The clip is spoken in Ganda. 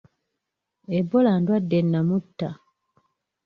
Ebola ndwadde nnamutta.